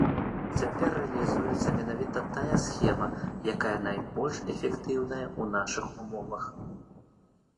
Цяпер рэалізуецца менавіта тая схема, якая найбольш эфектыўная ў нашых умовах.